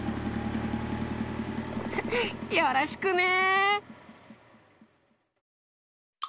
よろしくね！